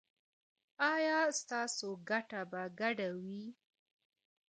ایا ستاسو ګټه به ګډه وي؟